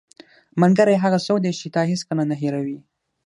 ملګری هغه څوک دی چې تا هیڅکله نه هېروي.